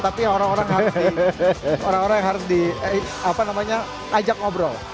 tapi orang orang yang harus di ajak ngobrol